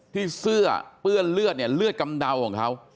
ที่เสื้อเปื้อนเลือดเนี่ยเลือดกำเดาของเขา